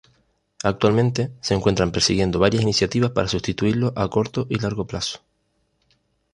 Actualmente, se encuentran persiguiendo varias iniciativas para sustituirlo a corto y largo plazo.